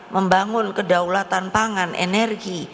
membangun kedaulatan pangan energi